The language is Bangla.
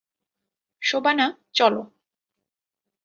শোবানা, চলো!